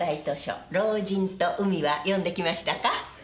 図書「老人と海」は読んできましたか？